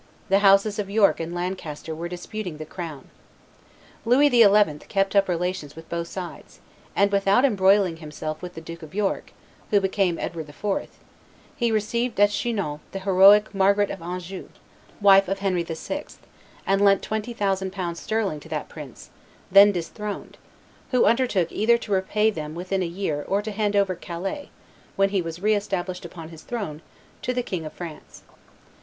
The houses of York and Lancaster were disputing the crown. Louis XI. kept up relations with both sides; and without embroiling himself with the Duke of York, who became Edward IV., he received at Chinon the heroic Margaret of Anjou, wife of Henry VI., and lent twenty thousand pounds sterling to that prince, then disthroned, who undertook either to repay them within a year or to hand over Calais, when he was re established upon his throne, to the King of France.